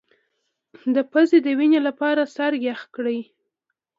د پوزې د وینې لپاره سر یخ کړئ